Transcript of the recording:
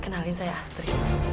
kenalin saya astri